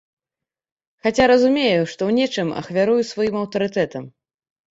Хаця разумею, што ў нечым ахвярую сваім аўтарытэтам.